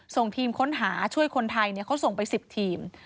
ส่งทีมค้นหาช่วยคนไทยเขาส่งไป๑๐ทีม